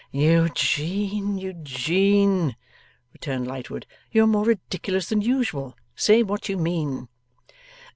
'Eugene, Eugene,' returned Lightwood, 'you are more ridiculous than usual. Say what you mean.